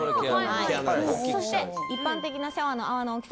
そして一般的なシャワーの泡の大きさ